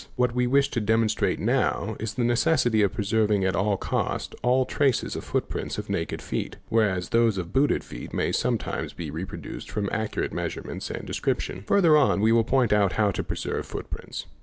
What we wish to demonstrate now is the necessity of preserving at all costs all traces of footprints of naked feet, whereas those of booted feet may some times be reproduced from accurate measurement and description. ' Further on we will point out how to preserve footprints.